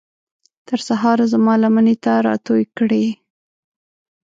تر سهاره زما لمنې ته راتوی کړئ